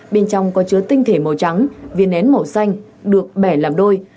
bên trong có chứa tinh thể màu trắng viên nén màu xanh được bẻ làm đôi